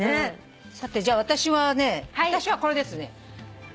さてじゃあ私はね私はこれですね。